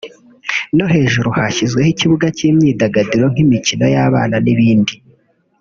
no hejuru hashyizweho ikibuga cy’imyidagaduro nk’ imikino y’abana n’ibindi